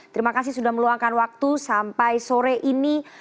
terima kasih sudah meluangkan waktu sampai sore ini